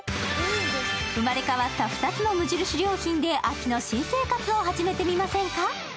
生まれ変わった２つの無印良品で秋の新生活を始めてみませんか。